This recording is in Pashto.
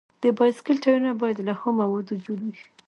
د بایسکل ټایرونه باید له ښي موادو جوړ وي.